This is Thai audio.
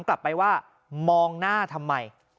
กลับไปว่ามองหน้าทำไม